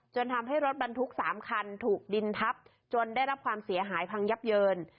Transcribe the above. ทำให้รถบรรทุก๓คันถูกดินทับจนได้รับความเสียหายพังยับเยิน